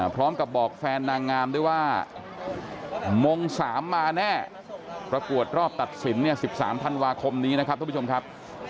พร้อมกับบอกแฟนนางงามด้วยว่ามง๓มาแน่ประกวดรอบตัดสินเนี่ย๑๓ธันวาคมนี้นะครับท่านผู้ชมครับ